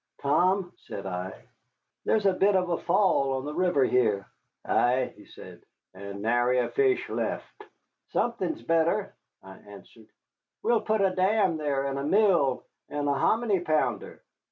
"Tom," said I, "there's a bit of a fall on the river here." "Ay," he said, "and nary a fish left." "Something better," I answered; "we'll put a dam there and a mill and a hominy pounder."